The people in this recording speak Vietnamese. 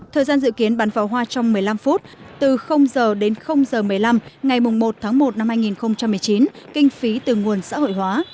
thời gian dự kiến bắn pháo hoa trong một mươi năm phút từ giờ đến giờ một mươi năm ngày một một hai nghìn một mươi chín kinh phí từ nguồn xã hội hóa